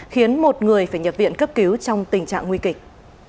khiến một người phải nhập viện cấp cứu trong tình trạng nguy kịch